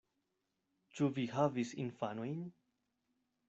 Ĉu vi havis infanojn?